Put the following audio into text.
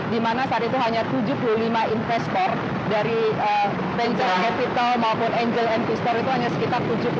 di mana saat itu hanya tujuh puluh lima investor dari venture capital maupun angel investor itu hanya sekitar tujuh puluh lima